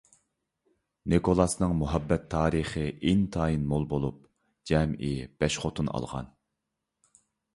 نىكولاسنىڭ مۇھەببەت تارىخى ئىنتايىن مول بولۇپ، جەمئىي بەش خوتۇن ئالغان.